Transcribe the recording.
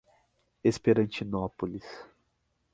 Esperantinópolis